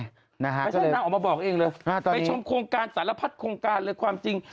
ไม่ใช่นางออกมาบอกเองเลยไปชมโครงการสารพัดโครงการเลยความจริง